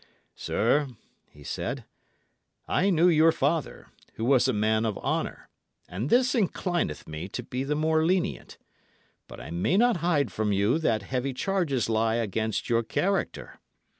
"Sir," he said, "I knew your father, who was a man of honour, and this inclineth me to be the more lenient; but I may not hide from you that heavy charges lie against your character.